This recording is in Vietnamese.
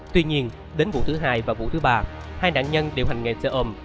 tuy nhiên đến vụ thứ hai và vụ thứ ba hai nạn nhân đều hành nghề xe ôm